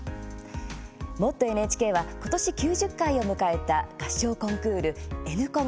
「もっとＮＨＫ」は今年９０回を迎えた合唱コンクール、「Ｎコン」